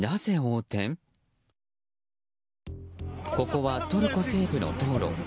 ここはトルコ西部の道路。